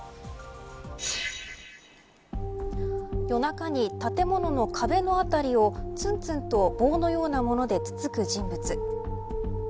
夜中に、建物の壁の辺りをつんつんと棒のようなものでつつく人物。